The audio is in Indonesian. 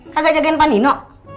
kagak jagain pani nno